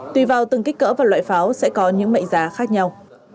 tùy vào từng kích cỡ và loại pháo sẽ có những mệnh giá khác nhau